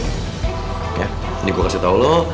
ini gue kasih tau lo